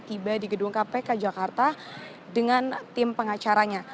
tiba di gedung kpk jakarta dengan tim pengacaranya